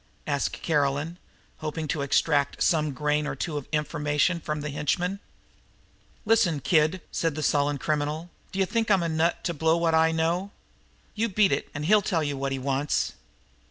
asked Caroline, hoping to extract some grain or two of information from the henchman. "Listen, kid," said the sullen criminal. "D'you think I'm a nut to blow what I know? You beat it, and he'll tell you what he wants."